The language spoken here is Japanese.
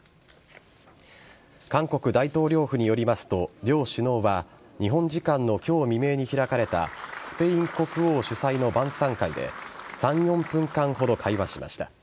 韓国大統領府によりますと両首脳は日本時間の今日未明に開かれたスペイン国王主催の晩さん会で３４分間ほど会話しました。